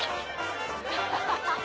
ハハハハ。